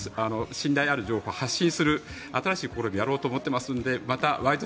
信頼ある情報を発信する新しい試みをやろうと思ってますのでまた「ワイド！